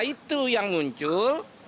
itu yang muncul